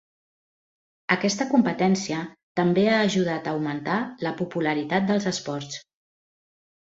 Aquesta competència també ha ajudat a augmentar la popularitat dels esports.